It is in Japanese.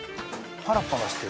パラパラしてる。